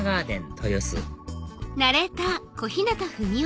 豊洲